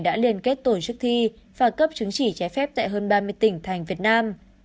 đã liên kết tổ chức thi và cấp chứng chỉ trái phép tại hơn ba mươi tỉnh thành việt nam